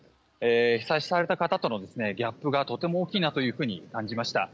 被災された方とのギャップがとても大きいなというふうに感じました。